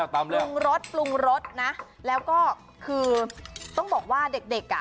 ปรุงรสปรุงรสนะแล้วก็คือต้องบอกว่าเด็กเด็กอ่ะ